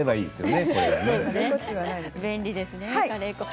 便利ですね。